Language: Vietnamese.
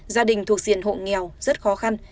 gia đình thuộc diện hộ nghèo rất khó khăn